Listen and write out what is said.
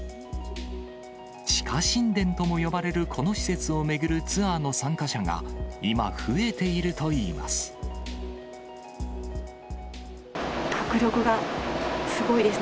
地下神殿とも呼ばれるこの施設を巡るツアーの参加者が、今、迫力がすごいです。